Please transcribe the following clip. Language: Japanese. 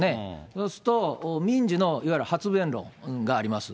そうすると、民事のいわゆる初弁論があります。